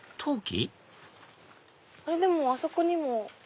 でもあそこにも。